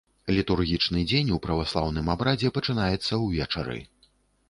Літургічны дзень у праваслаўным абрадзе пачынаецца ўвечары.